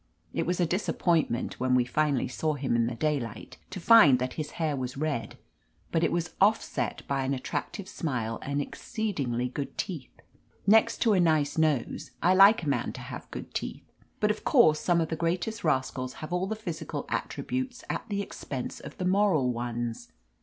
( It was a disappoint ment, when we finally saw him in the daylight, to find that his hair was red, but it was offset by an attractive smile and exceedingly good teeth. Next to a nice nose, I like a man to have good teeth.) But, of course, some of the greatest rascals have all the physical attributes at the expense of the moral ones.